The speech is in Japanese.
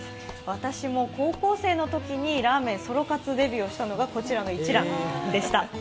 私も高校生のときにラーメンソロ活デビューをしたのがこちらの一蘭でした。